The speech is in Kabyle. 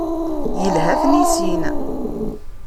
Yelha ad t-nissin.